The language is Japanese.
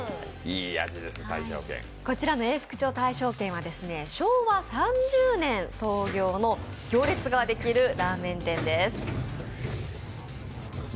こちらの永福町大勝軒は昭和３０年創業の行列ができるラーメン店です。